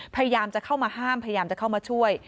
พยายามจะเข้ามาห้ามพยายามจะเข้ามาช่วย